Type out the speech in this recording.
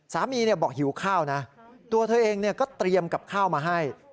สามีบอกหิวข้าวนะตัวเธอเองก็เตรียมกับข้าวมาให้